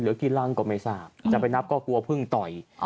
เหลือกี่รังก็ไม่ทราบจะไปนับก็กลัวพึ่งต่อยอ๋อ